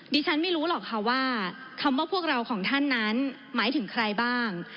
ฉันไม่รู้หรอกค่ะว่าคำว่าพวกเราของท่านนั้นหมายถึงใครบ้าง